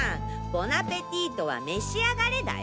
ボナペティートは「召し上がれ」だよ。